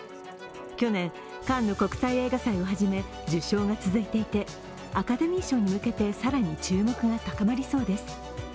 去年、カンヌ国際映画祭をはじめ受賞が続いていてアカデミー賞に向けて更に注目が高まりそうです。